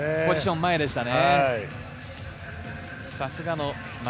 ポジション前でしたね。